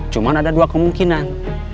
cuma ada dua kemungkinan